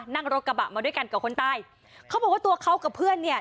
นั่งรถกระบะมาด้วยกันกับคนตายเขาบอกว่าตัวเขากับเพื่อนเนี่ย